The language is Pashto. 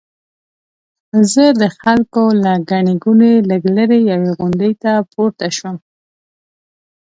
زه د خلکو له ګڼې ګوڼې لږ لرې یوې غونډۍ ته پورته شوم.